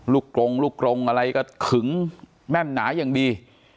กรงลูกกรงอะไรก็ขึงแม่นหนาอย่างดี